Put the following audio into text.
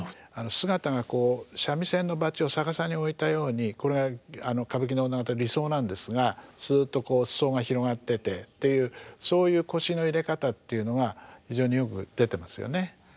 姿がこう三味線の撥を逆さにおいたようにこれは歌舞伎の女方理想なんですがすっとこう裾が広がっててっていうそういう腰の入れ方っていうのが非常によく出てますよね。